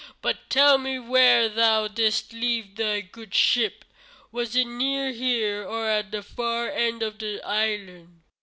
But tell me where thou didst leave thy good ship? Was it near here, or at the far end of the island?"